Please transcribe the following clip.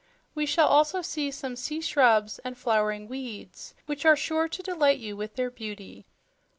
We shall also see some sea shrubs and flowering weeds which are sure to delight you with their beauty."